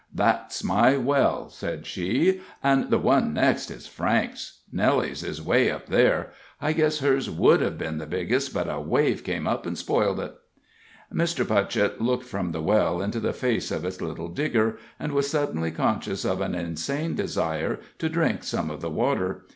"That's my well," said she, "and that one next it is Frank's. Nellie's is way up there. I guess hers would have been the biggest, but a wave came up and spoiled it." Mr. Putchett looked from the well into the face of its little digger, and was suddenly conscious of an insane desire to drink some of the water.